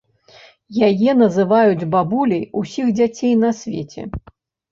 Яе называюць бабуляй усіх дзяцей на свеце.